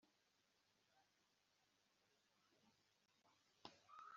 yibutse ibyo gutaha abatura umwana amukubita umugongo amucuritse.